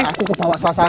aku ke bawah ke bawah sana